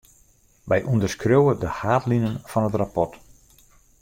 Wy ûnderskriuwe de haadlinen fan it rapport.